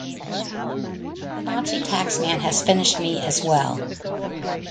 The Nazi tax man has finished me as well.